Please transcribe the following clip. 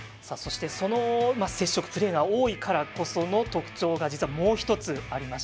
その接触プレーが多いからこその特徴がもう１つあります。